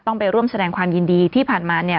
ต้องไปร่วมแสดงความยินดีที่ผ่านมา